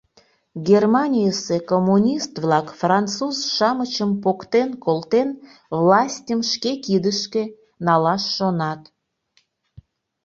Германийысе коммунист-влак, француз-шамычым поктен колтен, властьым шке кидышке налаш шонат.